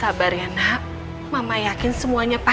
rachel bensien ingin menjahit industries selembungna